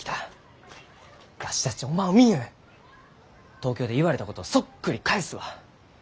東京で言われたことをそっくり返すわ。